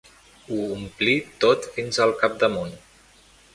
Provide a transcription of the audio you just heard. Ho omplí tot fins al capdamunt.